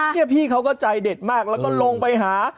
นี่พี่เขาก็ใจเด็ดมากแล้วก็ลงไปหา